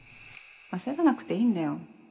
焦らなくていいんだよ